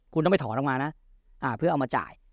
คุณต้องไปถอนออกมานะเพื่อเอามาจ่าย